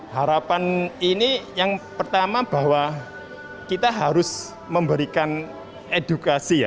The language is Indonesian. harapan ini yang pertama bahwa kita harus memberikan edukasi ya